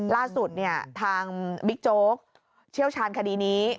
ล่าสุดทางบิ๊กโจ๊กเชี่ยวชาญคดีนี้